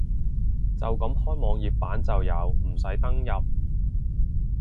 就咁開網頁版就有，唔使登入